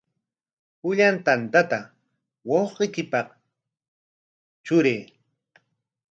Pullan tantata wawqiykipaq truray.